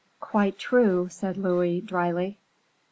"Quite true," said Louis, dryly.